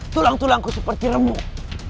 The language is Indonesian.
tulang tulangku seperti remuk